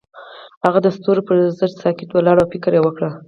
هغه د ستوري پر څنډه ساکت ولاړ او فکر وکړ.